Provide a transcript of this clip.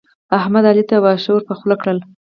احمد؛ علي ته واښه ور پر خوله کړل.